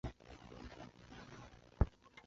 讷伊莱旺丹。